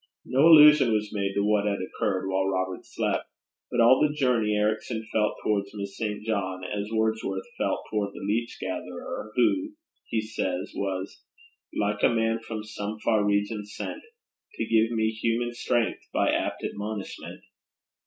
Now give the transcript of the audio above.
No allusion was made to what had occurred while Robert slept; but all the journey Ericson felt towards Miss St. John as Wordsworth felt towards the leech gatherer, who, he says, was like a man from some far region sent, To give me human strength, by apt admonishment.